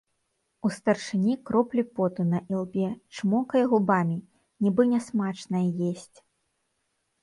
У старшыні кроплі поту на ілбе, чмокае губамі, нібы нясмачнае есць.